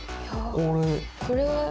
これは。